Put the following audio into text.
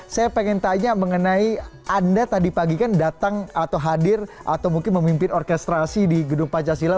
saya pengen tanya mengenai anda tadi pagi kan datang atau hadir atau mungkin memimpin orkestrasi di gedung pancasila